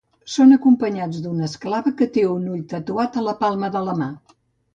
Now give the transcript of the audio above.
Són acompanyats d'una esclava que té un ull tatuat a la palma d'una mà.